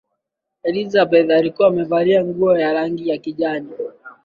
elizabeth alikuwa amevalia nguo ya rangi ya kijani